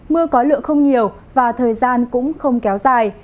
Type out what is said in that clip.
mưa có lượng không nhiều và thời gian cũng không kéo dài